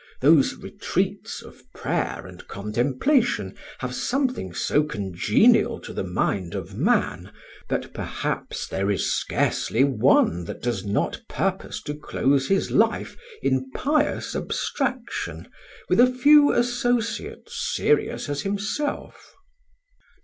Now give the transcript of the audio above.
Those retreats of prayer and contemplation have something so congenial to the mind of man, that perhaps there is scarcely one that does not purpose to close his life in pious abstraction, with a few associates serious as himself."